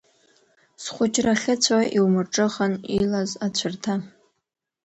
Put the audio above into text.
Схәыҷра ахьыцәоу иумырҿыхан, илаз ацәарҭа.